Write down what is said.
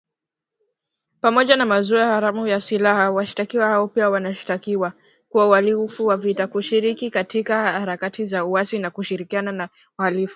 Pamoja na mauzo haramu ya silaha, washtakiwa hao pia wanashtakiwa kwa uhalifu wa vita, kushiriki katika harakati za uasi na kushirikiana na wahalifu